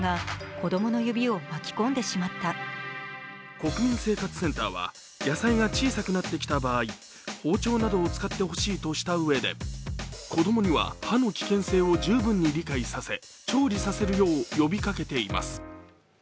国民生活センターは野菜が小さくなってきた場合、包丁などを使ってほしいとしたうえで子どもには刃の危険性を十分に理解させ調理させるよう呼びかけています。